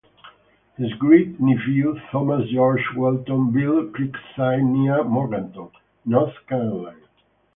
His great nephew Thomas George Walton built Creekside near Morganton, North Carolina.